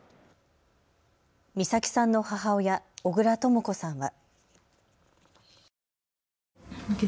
美咲さんの母親、小倉とも子さんは。